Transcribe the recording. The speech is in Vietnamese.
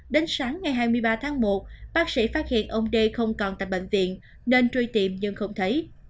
đến sáng ngày hai mươi ba tháng một bác sĩ phát hiện ông đê không còn tại bệnh viện nên truy tìm nhưng không thấy